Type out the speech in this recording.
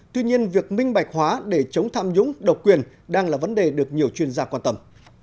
tuy nhiên việc minh bạch hóa để chống tham nhũng độc quyền đang là vấn đề được nhiều chuyên gia quan tâm